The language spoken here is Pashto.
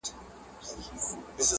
نه څپې وې نه موجونه نه توپان وو -